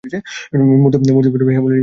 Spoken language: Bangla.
মুর্হূত পরেই হেমনলিনী ঘরে প্রবেশ করিল।